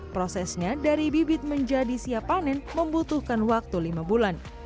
prosesnya dari bibit menjadi siap panen membutuhkan waktu lima bulan